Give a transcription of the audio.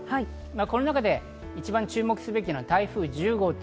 この中で一番注目すべきは台風１０号。